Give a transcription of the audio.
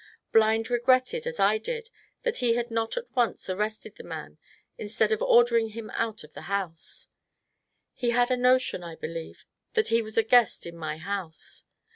Blind regretted, as I did, that he had not at once arrested the man instead of ordering him out of his house ; he had a notion, I believe, that he was a g^est in my house.